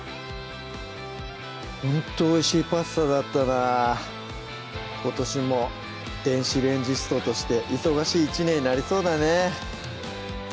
ほんとおいしいパスタだったな今年も電子レンジストとして忙しい１年になりそうだね